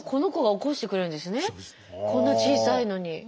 こんな小さいのに。